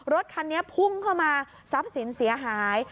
รถคันนี้พุ่งเข้ามาทรัพย์สินเสียหาย